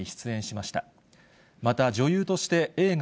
また女優として、映画、